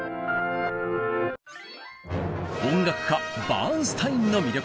音楽家バーンスタインの魅力。